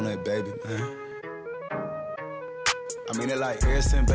kayak buat di indonesia